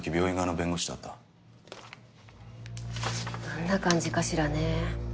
どんな感じかしらね